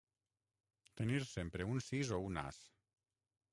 Tenir sempre un sis o un as.